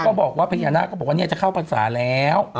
เขาก็บอกว่าผู้หญิงอาณาจะเข้าภาษาแล้ว